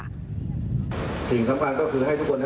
เราจัยพักป่ารากน้ำตามรอยพ่อได้ไหม